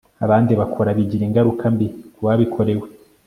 abandi bakora bigira ingaruka mbi kubabikorewe